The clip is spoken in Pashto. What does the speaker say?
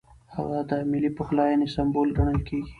هغه د ملي پخلاینې سمبول ګڼل کېږي.